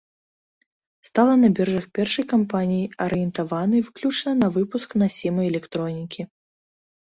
Стала на біржах першай кампаніяй, арыентаванай выключна на выпуск насімай электронікі.